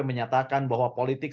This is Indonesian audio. menyatakan bahwa politik